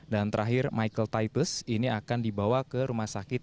terakhir michael tipes ini akan dibawa ke rumah sakit